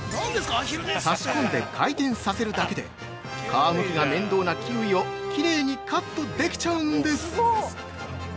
差し込んで回転させるだけで、皮むきが面倒なキウイをキレイにカットできちゃうんです。